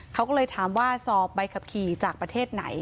เขาก็เลยถามว่าสอบใบขับขี่จากประเทศไหน